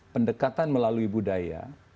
pendekatan melalui budaya